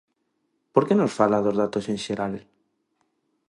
¿Por que nos fala dos datos en xeral?